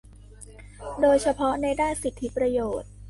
โดยเฉพาะในด้านสิทธิประโยชน์